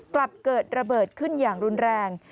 กลับเกิดระเบิดขึ้นอย่างรุนแรง